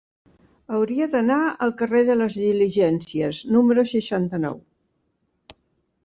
Hauria d'anar al carrer de les Diligències número seixanta-nou.